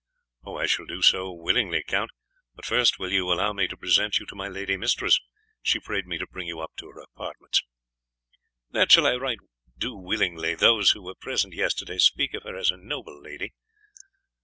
"I shall do so willingly, Count; but first will you allow me to present you to my lady mistress? She prayed me to bring you up to her apartments." "That shall I right willingly; those who were present yesterday speak of her as a noble lady."